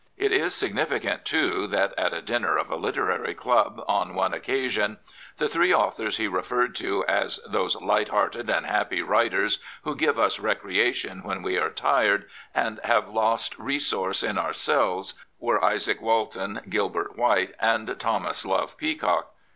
It is significant, too, that at a dinner of a literary club on one occasion, the three authors he referred to as those hearted and happy '* writers who give us recreation when we are tired and have lost resource in ourselves were Izaa^ Walton, Gilbert White, and Thomas Love Peacock.